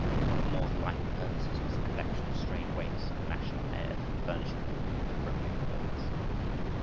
One of Moore's life purposes was the collection of stray waifs of national airs and furnishing them with appropriate words.